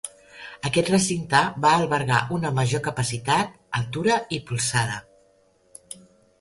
Aquest recinte va albergar una major capacitat, altura i polzada.